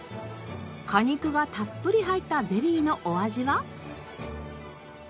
果肉がたっぷり入ったゼリーのお味は？